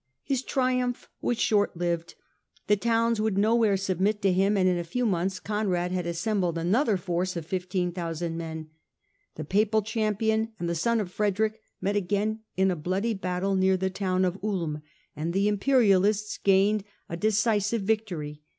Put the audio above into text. His triumph was short lived. The towns would nowhere submit to him, and in a few months Conrad had assem bled another force of 15,000 men. The Papal champion and the son of Frederick met again in a bloody battle near the town of Ulm and the Imperialists gained a THE DEPOSED EMPEROR 253 decisive victory.